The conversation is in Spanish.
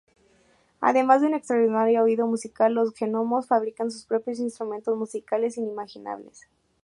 Además de un extraordinario oído musical los gnomos fabrican sus propios instrumentos musicales inimaginables.